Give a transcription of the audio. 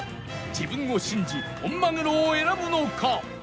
自分を信じ本マグロを選ぶのか？